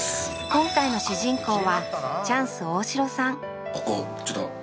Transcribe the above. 今回の主人公はチャンス大城さん